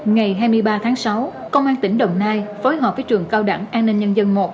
ngày hai mươi ba tháng sáu công an tỉnh đồng nai phối hợp với trường cao đẳng an ninh nhân dân một